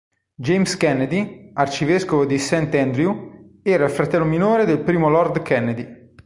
James Kennedy, arcivescovo di St Andrews, era il fratello minore del primo lord Kennedy.